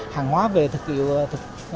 hàng hóa về thực tiêu